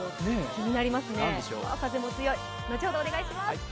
気になりますね、後ほどお願いします。